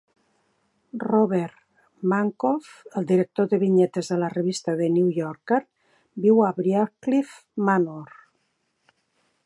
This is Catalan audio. Robert Mankoff, el director de vinyetes de la revista "The New Yorker" viu a Briarcliff Manor.